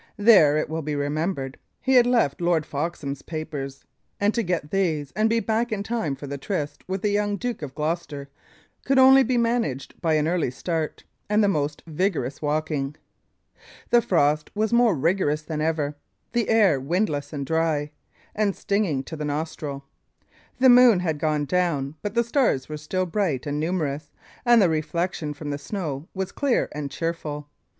There, it will be remembered, he had left Lord Foxham's papers; and to get these and be back in time for the tryst with the young Duke of Gloucester could only be managed by an early start and the most vigorous walking. The frost was more rigorous than ever; the air windless and dry, and stinging to the nostril. The moon had gone down, but the stars were still bright and numerous, and the reflection from the snow was clear and cheerful.